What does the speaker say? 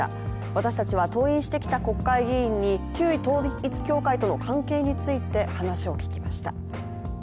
私たちは登院してきた国会議員に旧統一教会との関係について話を聞きました。